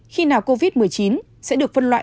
khi nào covid một mươi chín sẽ được phân loại